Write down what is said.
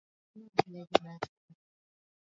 Taratibu ndogo tu za kibaguzi na ilitaarifiwa mnamo